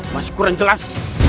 masih kurang jelas